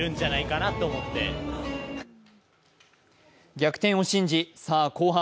逆転を信じ、後半。